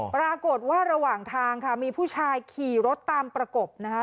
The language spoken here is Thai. ปรากฏว่าระหว่างทางค่ะมีผู้ชายขี่รถตามประกบนะคะ